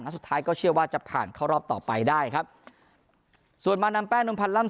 สุดท้ายก็เชื่อว่าจะผ่านเข้ารอบต่อไปได้ครับส่วนมานำแป้นลมพันธล่ำ